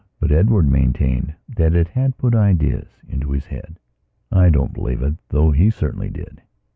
But Edward maintained that it had put ideas into his head. I don't believe it, though he certainly did.